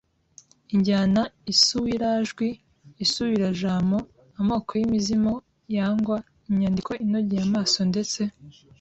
Injyana isuirajwi isuirajamo amoko y’imizimizo yangwa inyandiko inogeye amaso ndetse